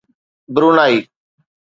Brunei